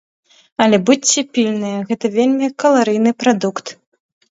Але будзьце пільныя, гэта вельмі каларыйны прадукт.